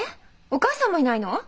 お母さんもいないの？